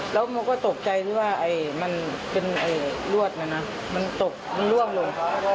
แล้วโมก็ตกใจด้วยว่ามันเป็นไอ้รวดไหมนะมันตกมันร่วมลง